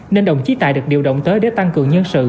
nên đồng chí tài được điều động tới để tăng cường nhân sự